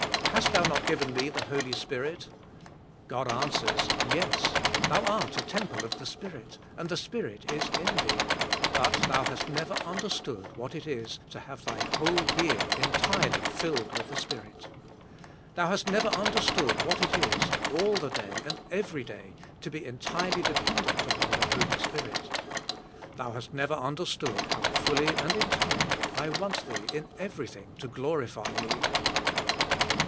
Hast Thou not g iven me the Holy Spirit? God answers Yes, thou art a temple of the Spirit and the Spirit is in thee, but thou hast never understood what it is to have thy whole being* entirely filled with the Spirit. Thou hast never understood what it is, all the day and every day to be entirely de pendent upon the Holy Spirit. Thou hast never understood how fully and entirely I want thee, in everything , to g lorify Me.